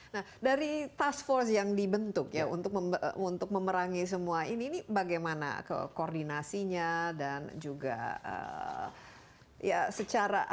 nah dari task force yang dibentuk ya untuk memerangi semua ini bagaimana koordinasinya dan juga ya secara